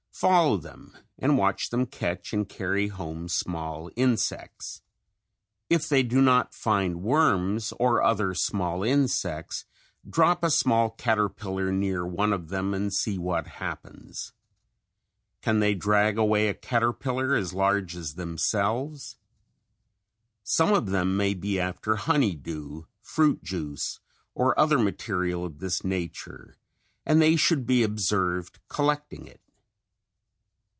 Follow them and watch them catch and carry home small insects. If they do not find worms or other small insects, drop a small caterpillar near one of them and see what happens. Can they drag away a caterpillar as large as themselves? Some of them may be after honey dew, fruit juice or other material of this nature and they should be observed collecting it.